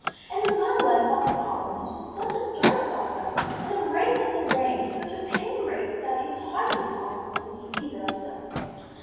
And the violet of the columns was such a dark violet and the red of the rays such a pale red that it was hardly possible to see either of them.